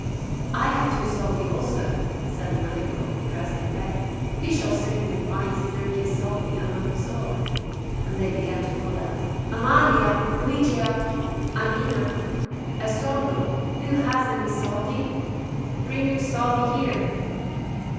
"I have two soldi, also," said another girl, dressed in red; "we shall certainly find thirty soldi among us all"; and then they began to call out: "Amalia! Luigia! Annina! A soldo. Who has any soldi? Bring your soldi here!"